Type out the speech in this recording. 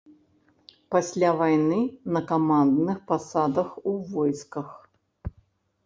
Пасля вайны на камандных пасадах у войсках.